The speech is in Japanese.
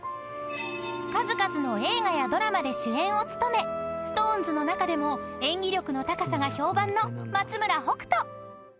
［数々の映画やドラマで主演を務めＳｉｘＴＯＮＥＳの中でも演技力の高さが評判の松村北斗］